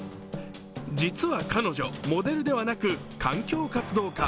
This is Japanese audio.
実は彼女、モデルではなく環境活動家。